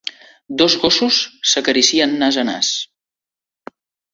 Dos gossos s'acaricien nas a nas.